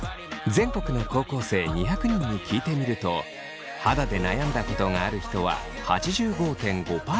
全国の高校生２００人に聞いてみると肌で悩んだことがある人は８５．５％。